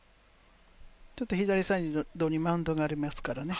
ちょっと左サイドにマウンドがありますからね。